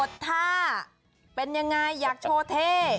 บทท่าเป็นอย่างไรอยากโชว์เท่